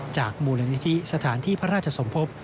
จากมุลหลัยนิทธิสถานที่พระราชสมภพ